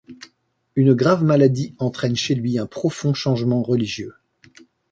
Une grave maladie entraine chez lui un profond changement religieux.